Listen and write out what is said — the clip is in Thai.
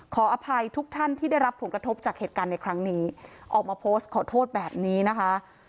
ขออภัยทุกท่านที่ได้รับผลกระทบจากเหตุการณ์ในครั้งนี้ออกมาโพสต์ขอโทษแบบนี้นะคะ